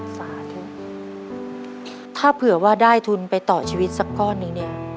ฝาเถอะถ้าเผื่อว่าได้ทุนไปต่อชีวิตสักก้อนหนึ่งเนี่ย